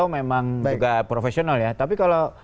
memang juga profesional ya tapi kalau